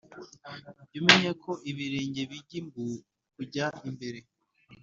jya umenya ko ibirenge bijya imbu kujya imbere